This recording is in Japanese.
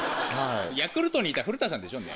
ヤクルトにいた古田さんでしょ。